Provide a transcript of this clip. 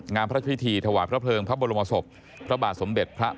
งานพระราชพิธีทวายข้าวเพลิงพระบรวมศพ